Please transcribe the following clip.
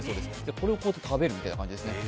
これをこう食べるという感じですね。